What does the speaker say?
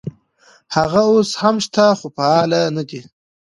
هغه اوس هم شته خو فعال نه دي.